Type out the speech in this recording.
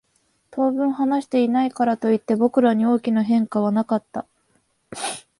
当分話していないからといって、僕らに大きな変化はなかった。